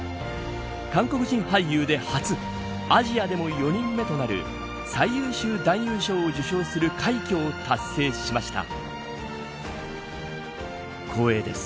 韓国人俳優で初アジアでも４人目となる最優秀男優賞を受賞する快挙を達成しました。